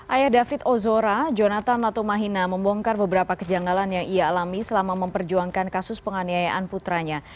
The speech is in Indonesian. ayah david ozora jonathan latumahina membongkar beberapa kejanggalan yang ia alami selama memperjuangkan kasus penganiayaan putranya